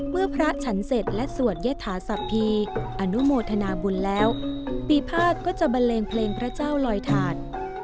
เมื่อพระฉันเสร็จและสวดเยทาสัพพีอนุโมทนาบุญแล้วปีภาคก็จะบันเลงเพลงพระเจ้าลอยถาด